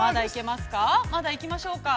まだいきましょうか。